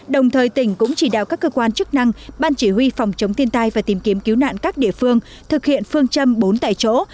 đồng thời tỉnh cũng chỉ đạo các cơ quan chức năng ban chỉ huy phòng chống thiên tai và tìm kiếm cứu nạn các địa phương thực hiện phương châm bốn tại chỗ